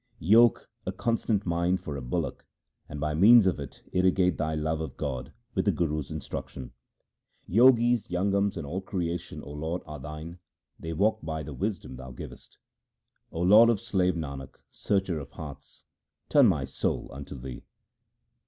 Yoke a constant mind for a bullock and by means of it irrigate thy love of God with the Guru's instruction. Jogis, Jangams and all creation, 0 Lord, are Thine ; they walk by the wisdom Thou givest. O Lord of slave Nanak, searcher of hearts, turn my soul unto Thee.